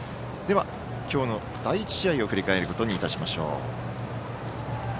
今日の第１試合を振り返ることにいたしましょう。